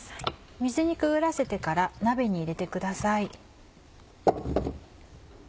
水にくぐらせてから鍋に入れてください。